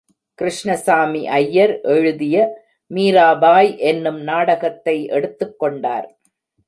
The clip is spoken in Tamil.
கிருஷ்ணசாமி ஐயர் எழுதிய மீராபாய் என்னும் நாடகத்தை எடுத்துக்கொண்டார்.